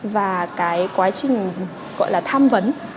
và cái quá trình gọi là tham vấn